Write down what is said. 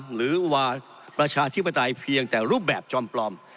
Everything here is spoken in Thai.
หรือว่าประชาธิปไตยเพียงแต่รูปแบบจอมปลอม